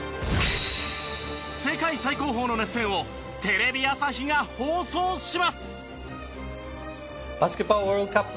世界最高峰の熱戦をテレビ朝日が放送します！